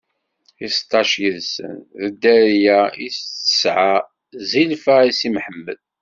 I seṭṭac yid-sen, d dderya i s-d-tesɛa Zilfa i Si Mḥemmed.